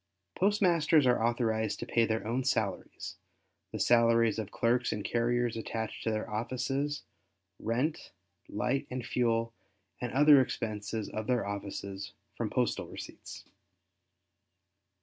—Postmasters are authorized to pay their own salaries, the salaries of clerks and carriers attached to their offices, rent, light, and fuel, and other expenses of their offices from postal receipts.